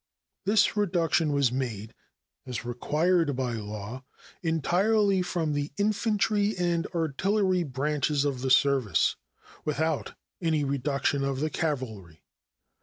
This reduction was made, as required by law, entirely from the infantry and artillery branches of the service, without any reduction of the cavalry.